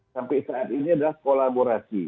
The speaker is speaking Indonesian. sampai saat ini adalah kolaborasi